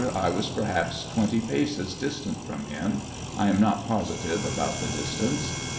A. I was perhaps 2U paces distant from him ; I am not positive about the distance.